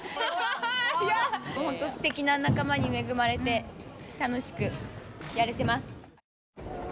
すてきな仲間に恵まれて楽しくやれてます。